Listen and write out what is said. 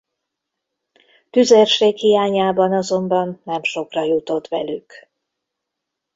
Tüzérség hiányában azonban nem sokra jutott velük.